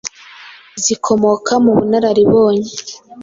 zikomoka ku bunararibonye.